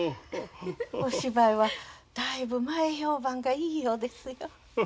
お芝居はだいぶ前評判がいいようですよ。